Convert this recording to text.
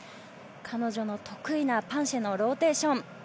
彼女の得意なパンシェのローテーション。